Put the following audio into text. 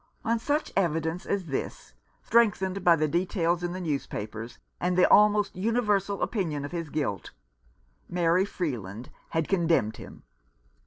On such evidence as this, strengthened by the details in the newspapers, and the almost universal opinion of his guilt, Mary Freeland had condemned him.